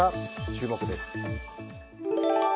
注目です。